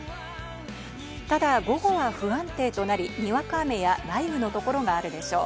ただ午後は不安定となり、にわか雨や雷雨のところがあるでしょう。